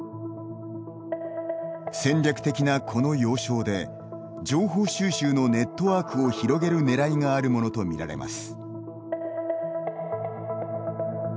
戦略的なこの要衝で情報収集のネットワークを広げるねらいがあるものとみられます。